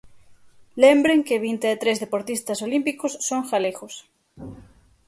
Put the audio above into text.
Lembren que vinte e tres deportistas olímpicos son galegos.